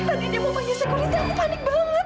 tadi dia mau panggil sekuriti aku panik banget